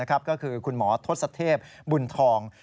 ก็คือคุณหมอทศพบุญทอง